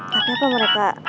tapi apa mereka